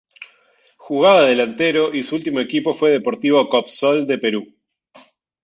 Jugaba de delantero y su último equipo fue Deportivo Coopsol de Perú.